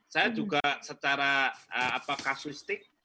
saya juga secara kasusistik